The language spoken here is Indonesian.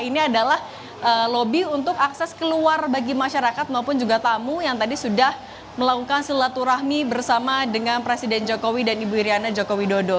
ini adalah lobby untuk akses keluar bagi masyarakat maupun juga tamu yang tadi sudah melakukan silaturahmi bersama dengan presiden jokowi dan ibu iryana joko widodo